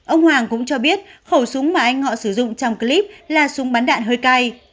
ông hoàng cũng cho biết khẩu súng mà anh ngọ sử dụng trong clip là súng bắn đạn hơi cay